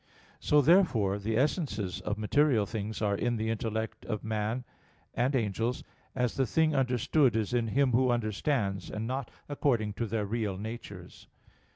So therefore the essences of material things are in the intellect of man and angels, as the thing understood is in him who understands, and not according to their real natures.